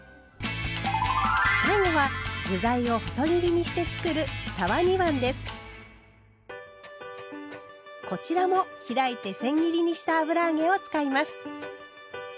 最後は具材を細切りにしてつくるこちらも開いてせん切りにした油揚げを使います。